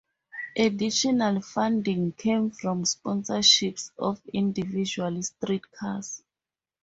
Additional funding came from sponsorships of individual streetcars.